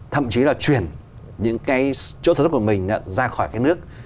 thậm chí là chuyển những cái chỗ sản xuất của mình ra khỏi cái nước